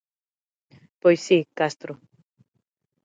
–Pois si, Castro.